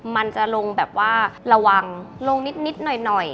มันจะลงแบบว่าระวังลงนิดหน่อย